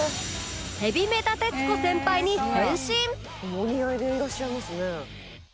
お似合いでいらっしゃいますね。